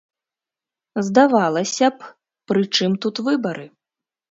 Здавалася б, пры чым тут выбары?